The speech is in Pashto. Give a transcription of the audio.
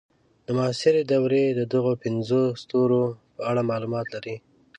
د معاصرې دورې د دغو پنځو ستورو په اړه معلومات لرئ.